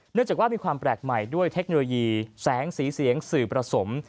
เนื่องจากว่ามีความแปลกใหม่ด้วยเทคโนโลยีแสงสีเสียงสื่อผสม